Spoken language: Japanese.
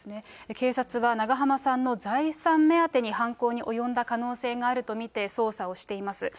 警察は長濱さんの財産目当てに犯行に及んだ可能性があると見て捜査をしています。